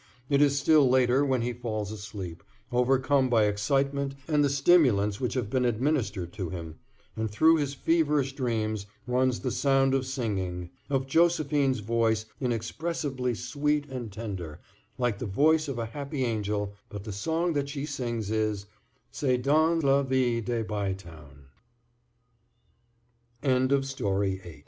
It is still later when he falls asleep, overcome by excitement and the stimulants which have been administered to him; and through his feverish dreams runs the sound of singing, of Josephine's voice, inexpressibly sweet and tender, like the voice of a happy angel, but the song that she sings is—"C'est dans la vil